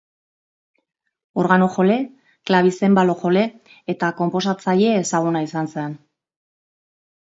Organo-jole, klabizenbalo-jole eta konposatzaile ezaguna izan zen.